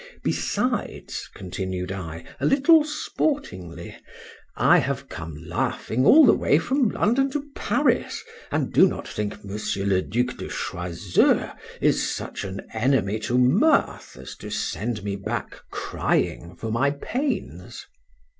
—Besides, continued I, a little sportingly, I have come laughing all the way from London to Paris, and I do not think Monsieur le Duc de Choiseul is such an enemy to mirth as to send me back crying for my pains.